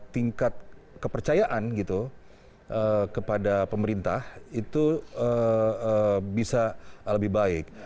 tingkat kepercayaan gitu kepada pemerintah itu bisa lebih baik